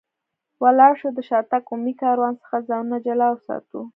ولاړ شو، له شاتګ عمومي کاروان څخه ځانونه جلا وساتو.